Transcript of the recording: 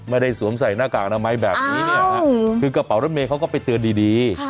สวมใส่หน้ากากอนามัยแบบนี้เนี่ยฮะคือกระเป๋ารถเมย์เขาก็ไปเตือนดี